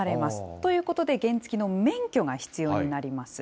ということで、原付きの免許が必要になります。